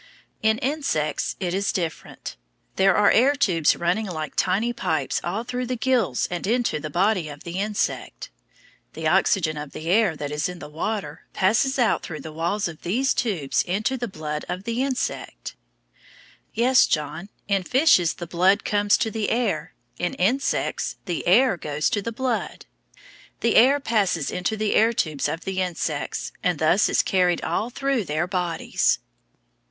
In insects it is different. There are air tubes running like tiny pipes all through the gills and into the body of the insect. The oxygen of the air that is in the water passes out through the walls of these tubes into the blood of the insect. Yes, John, in fishes the blood comes to the air, in insects the air goes to the blood. The air passes into the air tubes of the insects, and thus is carried all through their bodies.